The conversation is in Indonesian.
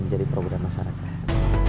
menjadi program masyarakat